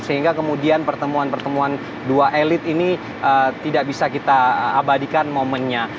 sehingga kemudian pertemuan pertemuan dua elit ini tidak bisa kita abadikan momennya